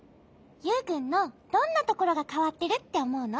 ユウくんのどんなところがかわってるっておもうの？